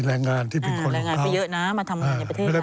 แรงงานที่เป็นคนของเขา